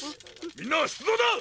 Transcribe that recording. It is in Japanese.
みんなしゅつどうだ！